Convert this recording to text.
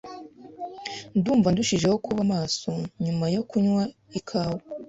Ndumva ndushijeho kuba maso nyuma yo kunywa ikawa .